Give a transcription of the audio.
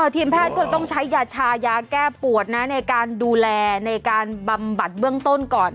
ทีมแพทย์ก็ต้องใช้ยาชายาแก้ปวดนะในการดูแลในการบำบัดเบื้องต้นก่อน